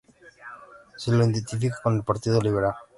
Se lo identifica con el Partido Liberal.